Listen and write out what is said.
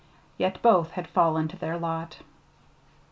Yet both had fallen to their lot.